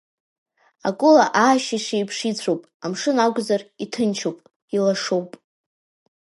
Акула аашьышь еиԥш ицәоуп, амшын акәзар, иҭынчуп, илашоуп.